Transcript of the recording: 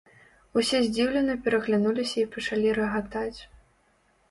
Усе здзіўлена пераглянуліся і пачалі рагатаць.